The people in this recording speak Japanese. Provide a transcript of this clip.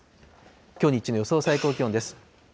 きょう日中の予想最高気温です。